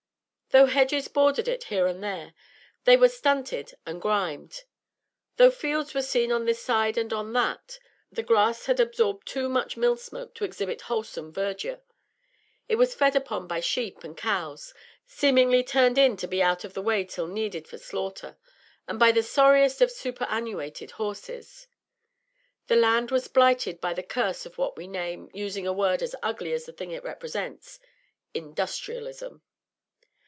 Though hedges bordered it here and there, they were stunted and grimed; though fields were seen on this side and on that, the grass had absorbed too much mill smoke to exhibit wholesome verdure; it was fed upon by sheep and cows, seemingly turned in to be out of the way till needed for slaughter, and by the sorriest of superannuated horses. The land was blighted by the curse of what we name using a word as ugly as the thing it represents industrialism.